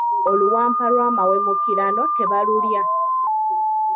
Oluwampa lw'amawemukirano tebalulya.